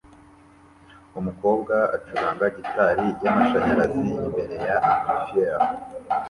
Umukobwa acuranga gitari y'amashanyarazi imbere ya amplifier